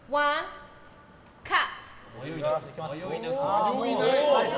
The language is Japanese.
迷いなく。